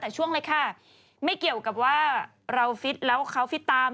แต่ช่วงเลยค่ะไม่เกี่ยวกับว่าเราฟิตแล้วเขาฟิตตาม